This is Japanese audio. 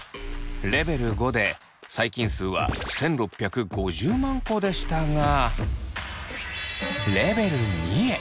レベル５で細菌数は１，６５０万個でしたがレベル２へ。